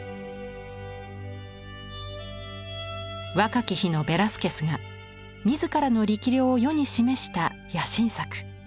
若き日のベラスケスが自らの力量を世に示した野心作。